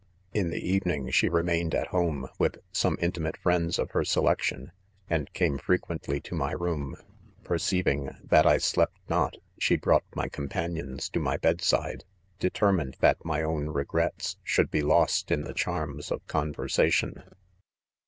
In the evening she remained' at home, with some intimate friends of her selection; and came frequently to my loom. Perceiving that I slept not, she brought her companions to my bed side, determined that my own regrets should be lost in the ©harms of conversation.